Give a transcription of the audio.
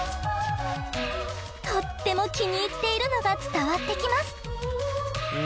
とっても気に入っているのが伝わってきます。